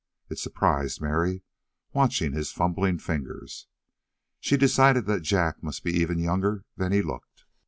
It surprised Mary, watching his fumbling fingers. She decided that Jack must be even younger than he looked.